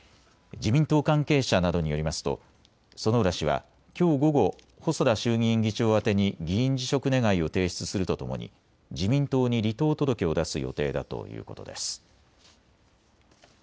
自民党関係者などによりますと薗浦氏はきょう午後細田衆議院議長宛てに議員辞職願を提出するとともに自民党に離党届を出す予定だということです。